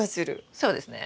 そうですね。